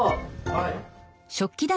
はい。